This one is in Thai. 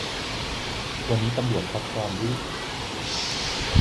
วันนี้ตำรวจท็อปฟอร์มวุ้ย